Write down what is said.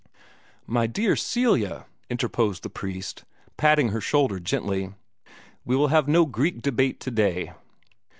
"My dear Celia," interposed the priest, patting her shoulder gently, "we will have no Greek debate today.